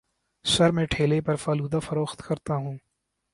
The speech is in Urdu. سر میں ٹھیلے پر فالودہ فروخت کرتا ہوں